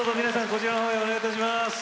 こちらのほうにお願いいたします。